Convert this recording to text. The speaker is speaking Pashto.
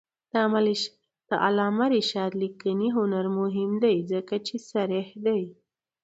د علامه رشاد لیکنی هنر مهم دی ځکه چې صریح دی.